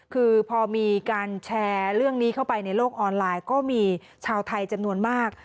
คือพอมีการแชร์เรื่องนี้เข้าไปในโลกออนไลน์ก็มีชาวไทยจำนวนมาก